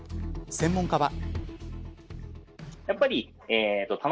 専門家は。